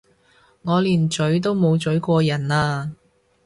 我連咀都冇咀過人啊！